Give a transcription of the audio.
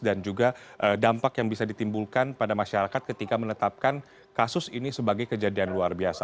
dan juga dampak yang bisa ditimbulkan pada masyarakat ketika menetapkan kasus ini sebagai kejadian luar biasa